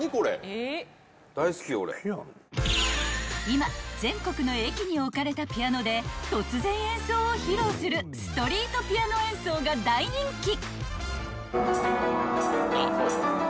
［今全国の駅に置かれたピアノで突然演奏を披露するストリートピアノ演奏が大人気］